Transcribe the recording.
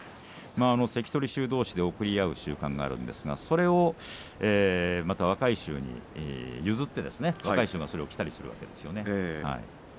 関取衆どうしで贈り合う習慣があるんですがそれをまた若い衆に譲って若い衆がそれを着たりするんですね。